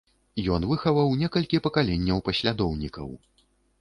Ён выхаваў некалькі пакаленняў паслядоўнікаў.